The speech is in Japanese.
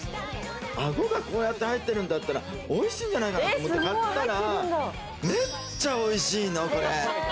あごが、こうやって入ってるなら、おいしいんじゃないかなと思って買ったら、めっちゃおいしいの！